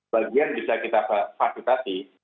bagian bisa kita fakultasi